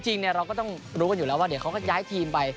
จริงเราก็ต้องรู้กันอยู่แล้วว่าเดี๋ยวเขาก็ย้ายทีมไป